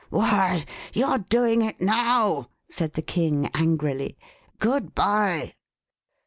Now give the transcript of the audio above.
Why, you're doing it now," said the King angrily. Good bye."